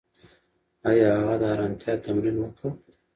ایا هغه د ارامتیا تمرین وکړ؟